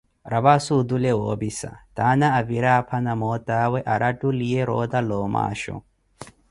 rapasi otule woopisa, taana avira apha na mootawe, arattuliye roota la omaasho.